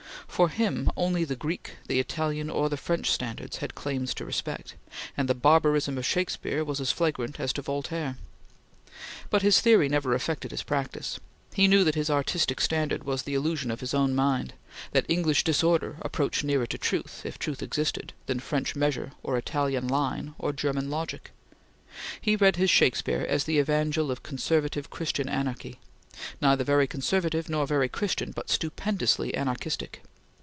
For him, only the Greek, the Italian or the French standards had claims to respect, and the barbarism of Shakespeare was as flagrant as to Voltaire; but his theory never affected his practice. He knew that his artistic standard was the illusion of his own mind; that English disorder approached nearer to truth, if truth existed, than French measure or Italian line, or German logic; he read his Shakespeare as the Evangel of conservative Christian anarchy, neither very conservative nor very Christian, but stupendously anarchistic.